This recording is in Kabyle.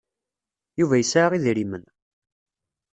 Yuba yesɛa idrimen.